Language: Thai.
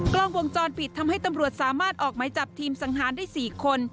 กล้องวงจรปิดทำให้ตำรวจสามารถออกไหมจับทีมสังหารได้๔คน